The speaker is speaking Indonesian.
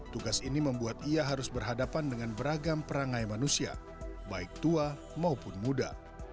tugas ini membuat ia harus berhadapan dengan beragam perangai manusia baik tua maupun muda